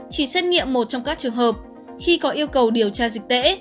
chỉ xét nghiệm một trong các trường hợp khi có yêu cầu điều tra dịch tễ